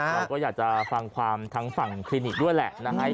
เราก็อยากจะฟังความทางฝั่งคลินิกด้วยแหละนะฮะ